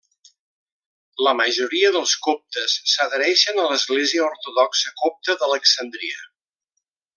La majoria dels coptes s'adhereixen a l'Església ortodoxa copta d'Alexandria.